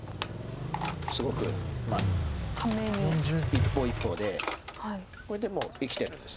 一歩一歩でこれでもう生きてるんです。